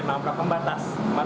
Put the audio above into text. nabrak ke batas jalan